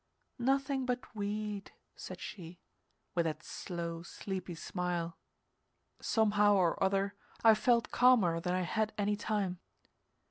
"Nothing but weed," said she, with that slow, sleepy smile. Somehow or other I felt calmer than I had any time.